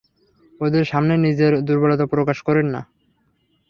ওদের সামনে নিজের দুর্বলতা প্রকাশ কোরেন না।